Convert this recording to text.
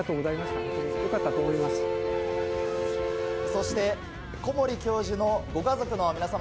そして小森教授のご家族の皆様